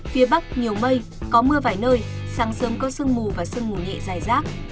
phía bắc nhiều mây có mưa vài nơi sáng sớm có sương mù và sương mù nhẹ dài rác